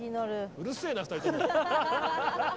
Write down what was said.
うるせえな２人とも。